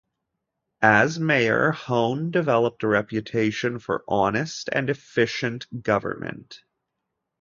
As mayor, Hoan developed a reputation for honest and efficient government.